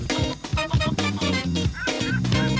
สวัสดีค่ะ